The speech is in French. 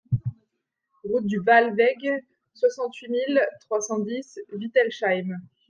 Route du Wahlweg, soixante-huit mille trois cent dix Wittelsheim